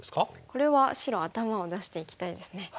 これは白頭を出していきたいですね。